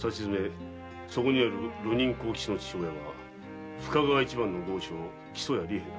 そこにある流人幸吉の父親は深川一番の豪商木曽屋利兵衛だ。